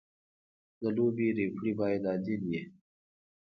د لوبې ریفري باید عادل وي.